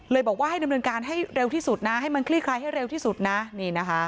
บอกว่าให้ดำเนินการให้เร็วที่สุดนะให้มันคลี่คลายให้เร็วที่สุดนะนี่นะคะ